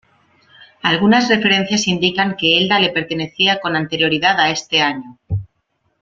Algunas referencias indican que Elda le pertenecía con anterioridad a este año.